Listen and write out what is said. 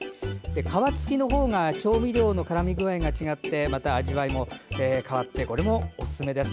皮つきの方が調味料のからみ具合が違って味わいが変わってこれもおすすめです。